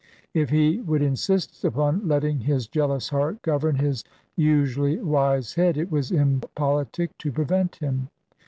If he would insist upon letting his jealous heart govern his usually wise head, it was impolitic to prevent him.